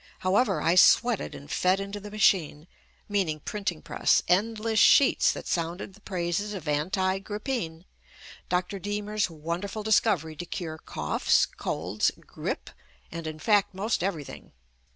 However, I sweated and fed into the machine (meaning printing press) endless sheets that sounded the praises of "Anti Grippine," Dr. Diemer's wonderful discovery to cure coughs, colds, grippe and in fact most everything.